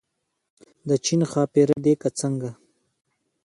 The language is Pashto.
د چین ښاپېرۍ دي که څنګه.